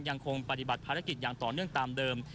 ยังคงปฏิบัติภารกิจอย่างต่อเนื่องตามเดิม